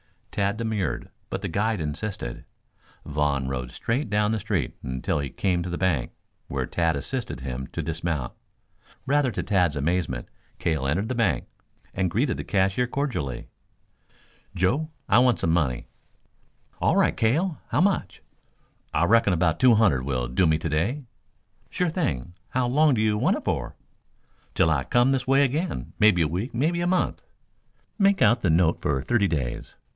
Tad demurred, but the guide insisted. Vaughn rode straight down the street until he came to the bank, where Tad assisted him to dismount. Rather to Tad's amazement Cale entered the bank, and greeted the cashier cordially. "Joe, I want some money." "All right, Cale. How much?" "I reckon about two hundred will do me today." "Sure thing. How long do you want it for?" "Till I come this way again. Maybe a week, maybe a month. Make out the note for thirty days.